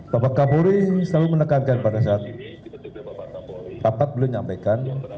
bapak kapolri selalu menekankan pada saat bapak belum menyampaikan